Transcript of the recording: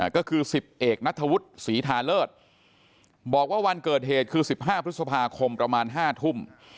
ก็คือ๑๐เอกนัทธวุฒิศรีทาเลิศบอกว่าวันเกิดเหตุคือ๑๕พฤษภาคมประมาณ๕ทุ่ม